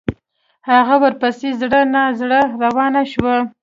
هغه ورپسې زړه نا زړه روانه شوه.